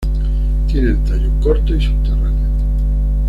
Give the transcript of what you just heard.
Tiene el tallo corto y subterráneo.